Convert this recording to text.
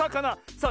さあ。